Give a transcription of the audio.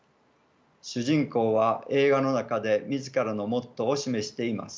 主人公は映画の中で自らのモットーを示しています。